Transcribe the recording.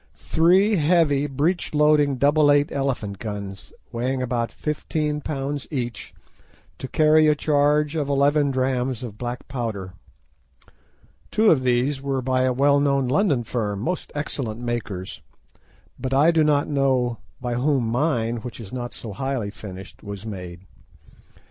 "Three heavy breech loading double eight elephant guns, weighing about fifteen pounds each, to carry a charge of eleven drachms of black powder." Two of these were by a well known London firm, most excellent makers, but I do not know by whom mine, which is not so highly finished, was made.